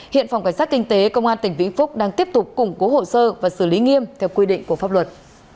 hiện phòng cảnh sát kinh tế công an tỉnh vĩnh phúc đang tiếp tục củng cố hồ sơ và xử lý nghiêm theo quy định của pháp luật